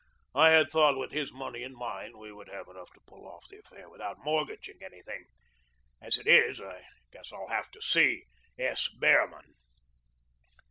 I had thought with his money and mine we would have enough to pull off the affair without mortgaging anything. As it is, I guess I'll have to see S. Behrman."